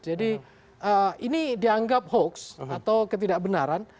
jadi ini dianggap hoaks atau ketidakbenaran